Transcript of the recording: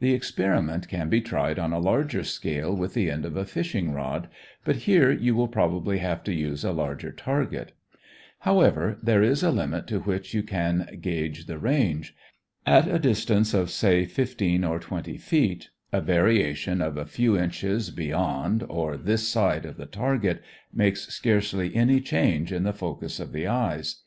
The experiment can be tried on a larger scale with the end of a fishing rod, but here you will probably have to use a larger target. However, there is a limit to which you can gage the range. At a distance of, say, fifteen or twenty feet, a variation of a few inches beyond or this side of the target makes scarcely any change in the focus of the eyes.